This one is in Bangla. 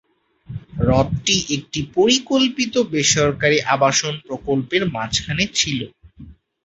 হ্রদটি একটি পরিকল্পিত বেসরকারি আবাসন প্রকল্পের মাঝখানে ছিল।